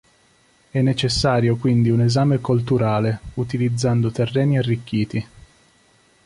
È necessario quindi un esame colturale, utilizzando terreni arricchiti.